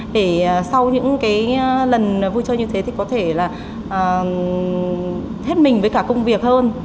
để sau những cái lần vui chơi như thế thì có thể là hết mình với cả công việc hơn